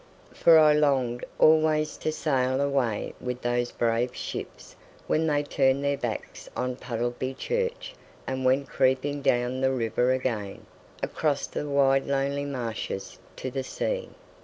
For I longed always to sail away with those brave ships when they turned their backs on Puddleby Church and went creeping down the river again, across the wide lonely marshes to the sea.